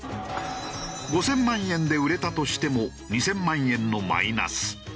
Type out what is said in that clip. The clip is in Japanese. ５０００万円で売れたとしても２０００万円のマイナス。